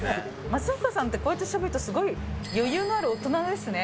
松岡さんってこうやってしゃべると、すごい余裕のある大人ですね。